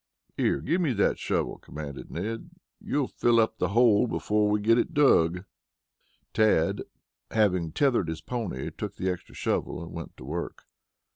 "Here, give me that shovel," commanded Ned. "You'll fill up the bole before we get it dug." Tad, having tethered his pony, took the extra shovel and went to work.